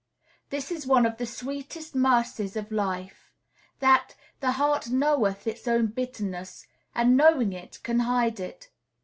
This is one of the sweetest mercies of life, that "the heart knoweth its own bitterness," and, knowing it, can hide it.